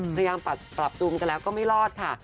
พยายามปรับจูมกันแล้วก็ไม่รอดค่ะ